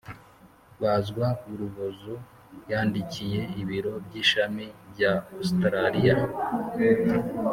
bazwa urubozo yandikiye ibiro by ishami bya Ositaraliya